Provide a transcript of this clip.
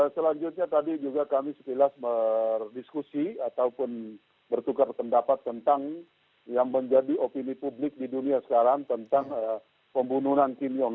selanjutnya tadi juga kami sekilas berdiskusi ataupun bertukar pendapat tentang yang menjadi opini publik di dunia sekarang tentang pembunuhan kimiong